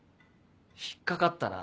引っ掛かったな。